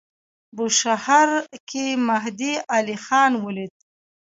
بوشهر کې مهدی علیخان ولیدی.